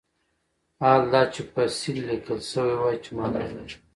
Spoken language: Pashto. حال دا چې فصیل لیکل شوی وای چې معنی لري.